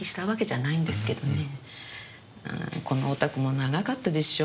このお宅も長かったでしょ？